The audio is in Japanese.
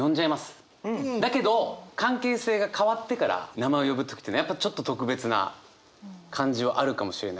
だけど関係性が変わってから名前を呼ぶ時やっぱちょっと特別な感じはあるかもしれないですね。